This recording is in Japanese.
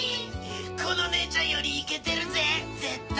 このねえちゃんよりイケてるぜ絶対！